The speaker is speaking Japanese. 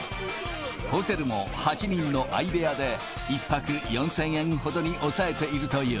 ホテルも８人の相部屋で、１泊４０００円ほどに抑えているという。